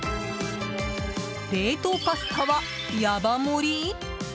冷凍パスタは、ヤバ盛り？